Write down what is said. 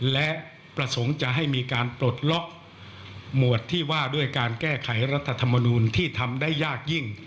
และประสงค์จะให้มีการปลดล็อกหมวดที่ว่าด้วยการแก้ไขรัฐธรรมนูลที่ทำได้ยากยิ่ง